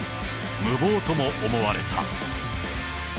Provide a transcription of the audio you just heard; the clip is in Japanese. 無謀とも思われた。